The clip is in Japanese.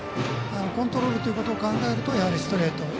コントロールということを考えるとストレート。